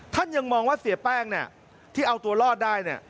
ท่านยังมองว่าเสียแป้งเนี่ยที่เอาตัวรอดได้เนี่ย